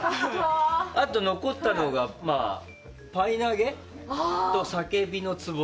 あと残ったのがパイ投げと叫びの壺。